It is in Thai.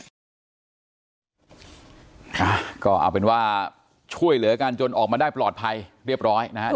อ่าก็เอาเป็นว่าช่วยเหลือกันจนออกมาได้ปลอดภัยเรียบร้อยนะฮะ